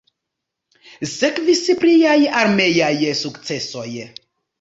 Sekvis pliaj armeaj sukcesoj.